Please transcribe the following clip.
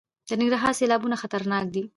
د ننګرهار سیلابونه خطرناک دي؟